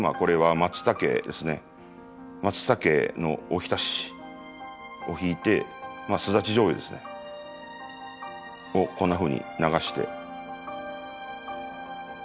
マツタケのお浸しをひいてスダチじょうゆですね。をこんなふうに流して。